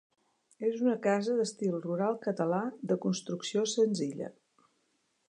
És una casa d'estil rural català, de construcció senzilla.